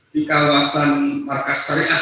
di kawasan markas sariah